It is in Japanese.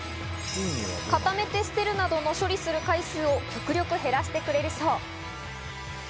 固めて捨てるなどの処理する回数を極力減らしてくれるそう。